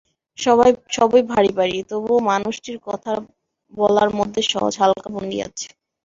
সবই ভারী-ভারী, তবুও মানুষটির কথা বলার মধ্যে সহজ হালকা ভঙ্গি আছে।